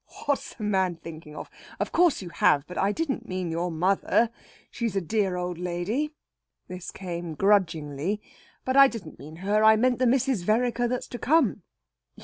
"What's the man thinking of? Of course you have, but I didn't mean your mother. She's a dear old lady" this came grudgingly "but I didn't mean her. I meant the Mrs. Vereker that's to come.